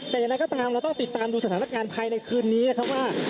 แต่อย่างไรก็ตามเราต้องติดตามดูสถานการณ์ภายในคืนนี้นะครับว่า